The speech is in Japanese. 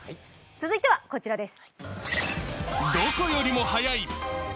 続いてはこちらです。